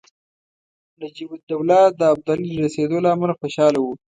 نجیب الدوله د ابدالي د رسېدلو له امله خوشاله وو.